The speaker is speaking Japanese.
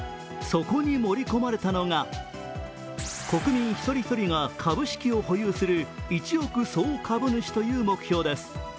そこに盛り込まれたのが、国民一人一人が株式を保有する一億総株主という目標です。